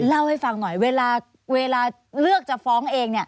เล่าให้ฟังหน่อยเวลาเลือกจะฟ้องเอง